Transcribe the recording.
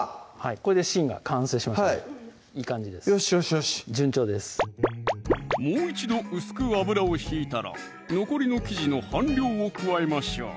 これで芯が完成しましたいい感じですよしよしよし順調ですもう一度薄く油を引いたら残りの生地の半量を加えましょう